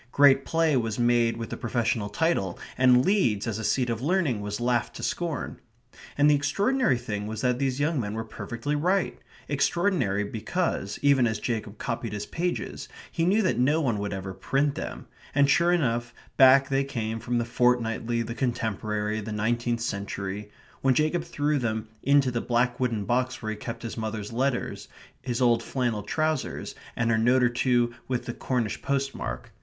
Great play was made with the professional title, and Leeds as a seat of learning was laughed to scorn. And the extraordinary thing was that these young men were perfectly right extraordinary, because, even as Jacob copied his pages, he knew that no one would ever print them; and sure enough back they came from the Fortnightly, the Contemporary, the Nineteenth Century when Jacob threw them into the black wooden box where he kept his mother's letters, his old flannel trousers, and a note or two with the Cornish postmark.